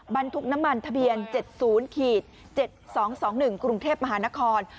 บรรทุกน้ำมันทะเบียนเจ็ดศูนย์ขีดเจ็ดสองสองหนึ่งกรุงเทพมหานคร